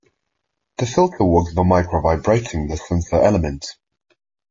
The filter works by micro vibrating the sensor element.